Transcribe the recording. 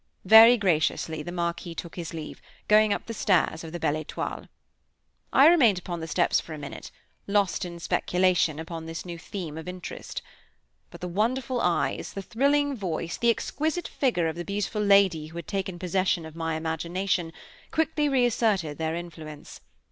Very graciously the Marquis took his leave, going up the stairs of the Belle Étoile. I remained upon the steps for a minute, lost in speculation upon this new theme of interest. But the wonderful eyes, the thrilling voice, the exquisite figure of the beautiful lady who had taken possession of my imagination, quickly re asserted their influence.